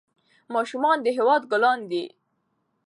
ماشومان د هېواد ګلان دي.